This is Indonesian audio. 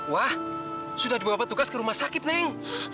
wah sudah dibawa petugas ke rumah sakit neng